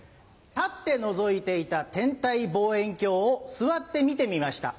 立ってのぞいていた天体望遠鏡を座って見てみました。